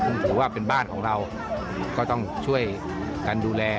ผมถือว่าเป็นบ้านของเราก็ต้องช่วยกันดูแล